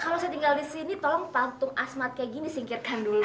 kalau saya tinggal di sini tolong patung asmat kayak gini singkirkan dulu